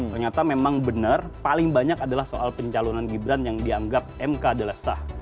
ternyata memang benar paling banyak adalah soal pencalonan gibran yang dianggap mk adalah sah